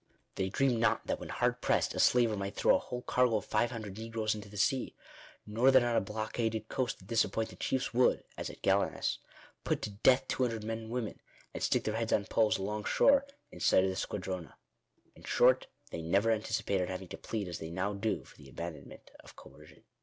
They dreamed not that when hard pressed a slaver might throw a whole cargo of 500 negroes into the sea ; nor that on a blockaded coast the disappointed chiefs would, as at Gallinas, put to death 200 men and women, and stick their heads on poles, along shore, in sight of the squadron*. In short, they never anticipated having to plead as they now do for the abandonment of coer cion.